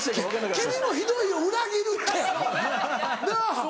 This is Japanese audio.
君もひどいよ裏切るって！なぁ